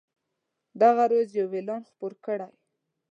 دغه راز یو اعلان خپور کړئ.